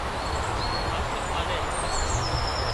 هپ آلي